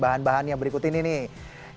bahan bahan yang berikut ini nih